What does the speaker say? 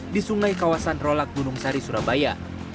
di sungai kawasan rolak gunung sari surabaya